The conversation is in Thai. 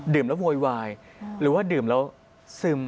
แล้วโวยวายหรือว่าดื่มแล้วซึม